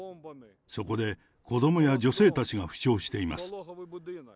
そこで、子どもや女性たちが負傷しています。